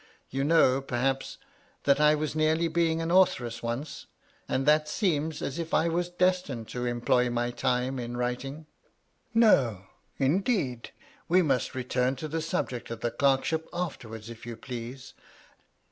You know, perhaps, that I was nearly being an authoress once, and that seems as if I was destined to * employ my time in writing.' "" No, indeed ; we must return to the subject of the clerkship afterwards, if you please.